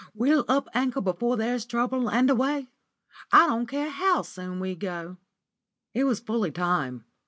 We'll up anchor before there's trouble, and away. I don't care how soon we go." It was fully time.